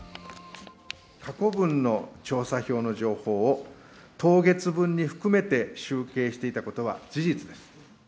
過去分の調査票の情報を当月分に含めて集計していたことは事実です。